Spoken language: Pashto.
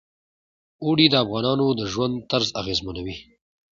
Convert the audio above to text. اوړي د افغانانو د ژوند طرز اغېزمنوي.